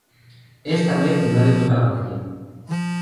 Esta vez Eladio toca la batería.